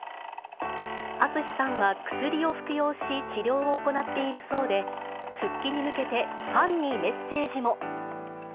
ＡＴＳＵＳＨＩさんは薬を服用し、治療を行っているそうで、復帰に向けてファンにメッセージも。